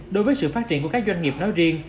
đối với sự phát triển của các doanh nghiệp nói riêng